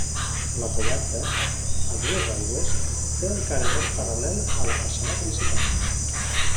La coberta, a dues aigües, té el carener paral·lel a la façana principal.